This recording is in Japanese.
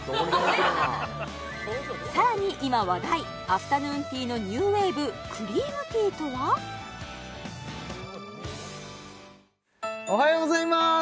さらに今話題アフタヌーンティーのニューウェーブおはようございます！